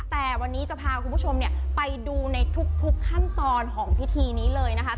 แต่วันนี้จะพาคุณผู้ชมเนี่ยไปดูในทุกขั้นตอนของพิธีนี้เลยนะคะ